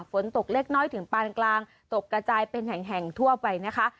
ฝนตกเล็กน้อยถึงปานกลางตกกระจายเป็นแห่งทั่วไปนะคะ